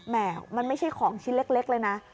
มันไม่ใช่ของชิ้นเล็กเลยนะ